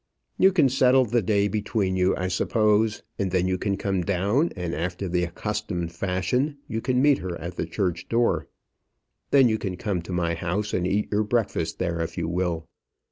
You can settle the day between you, I suppose, and then you can come down; and, after the accustomed fashion, you can meet her at the church door. Then you can come to my house, and eat your breakfast there if you will.